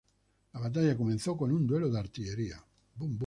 La batalla comenzó con un duelo de artillería.